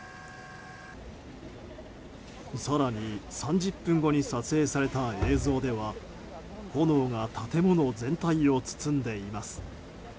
更に、３０分後に撮影された映像では炎が建物全体を包んでいます。